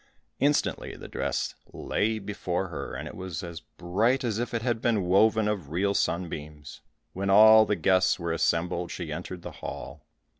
Instantly the dress lay before her, and it was as bright as if it had been woven of real sunbeams. When all the guests were assembled, she entered the hall.